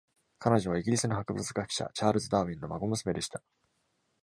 彼女はイギリスの博物学者チャールズ・ダーウィンの孫娘でした。